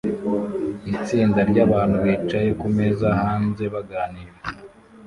Itsinda ryabantu bicaye kumeza hanze baganira